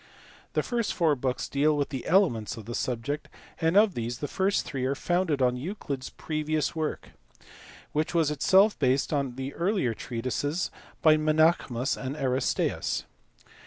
The first four books deal with the elements of the subject, nd of these the first three are founded on Euclid s previous pork (which was itself based on the earlier treatises by ^Tenaechmus and Aristaeus).